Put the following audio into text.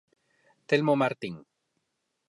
Telmo Martín.